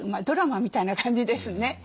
ドラマみたいな感じですね。